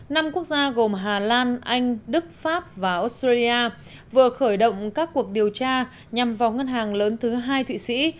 năm quốc gia gồm hà lan anh đức pháp và australia vừa khởi động các cuộc điều tra nhằm vào ngân hàng lớn thứ hai thụy sĩ